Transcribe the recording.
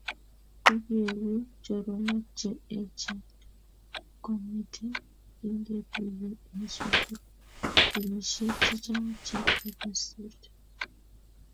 Kokieku choronok che eechen kong'ete kingetuye eng' sukul kenyisyek chechang' che kokosirto